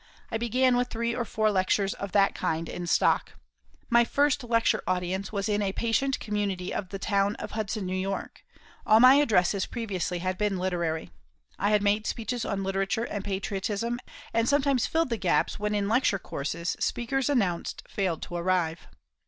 I began with three or four lectures of that kind in stock. My first lecture audience was in a patient community of the town of Hudson, N.Y. All my addresses previously had been literary. I had made speeches on literature and patriotism, and sometimes filled the gaps when in lecture courses speakers announced failed to arrive.